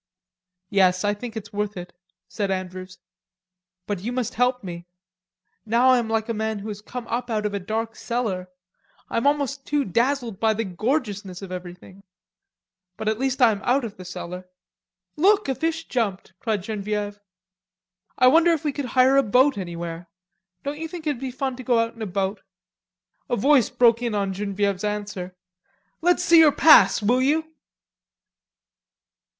"Yes, I think it's worth it," said Andrews. "But you must help me. Now I am like a man who has come up out of a dark cellar. I'm almost too dazzled by the gorgeousness of everything. But at least I am out of the cellar." "Look, a fish jumped," cried Genevieve. "I wonder if we could hire a boat anywhere.... Don't you think it'd be fun to go out in a boat?" A voice broke in on Genevieve's answer: "Let's see your pass, will you?"